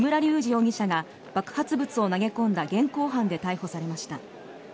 容疑者が爆発物を投げ込んだ現行犯で逮捕されました。